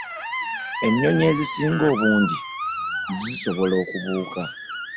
Ennyonyi ezisinga obungi zisobola okubuuka.